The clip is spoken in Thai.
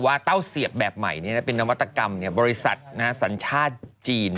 เต้าเสียบแบบใหม่เป็นนวัตกรรมบริษัทสัญชาติจีน